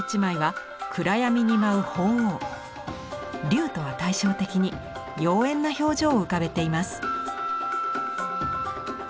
龍とは対照的に妖艶な表情を浮かべています。